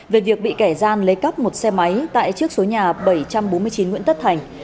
về việc bị kẻ gian lấy cắp một xe máy tại trước số nhà bảy trăm bốn mươi chín nguyễn tất thành